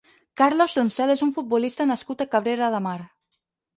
Carlos Doncel és un futbolista nascut a Cabrera de Mar.